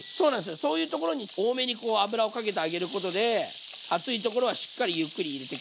そういうところに多めに油をかけてあげることで厚いところはしっかりゆっくり入れてく。